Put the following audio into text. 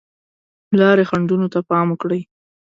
د لارې خنډونو ته پام وکړئ.